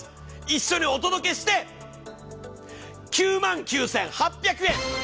一緒にお届けして、９万９８００円！